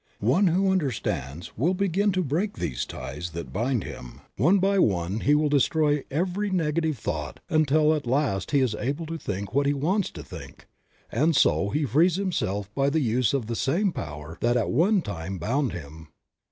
One who understands will begin to break these ties that bind him ; one by one he will destroy every negative thought until at last he is able to think what he wants to think; and so he frees himself by the use of the same power that at one time bound him.